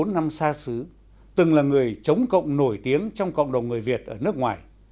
bốn mươi năm xa xứ từng là người chống cộng nổi tiếng trong cộng đồng người việt ở nước ngoài